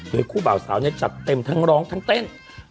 โดยคู่บ่าวสาวเนี่ยจัดเต็มทั้งร้องทั้งเต้น